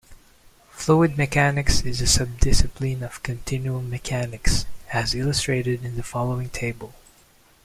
Fluid mechanics is a subdiscipline of continuum mechanics, as illustrated in the following table.